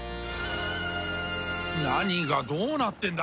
何がどうなってんだ！？